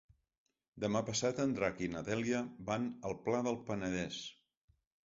Demà passat en Drac i na Dèlia van al Pla del Penedès.